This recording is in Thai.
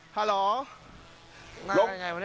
ฮัลโหล